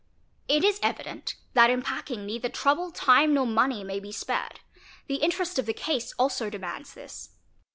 It is evident that in packing neither trouble, time, nor money may be , spared ; the interest of the case also demands this.